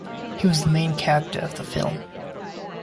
He was the main character of the film.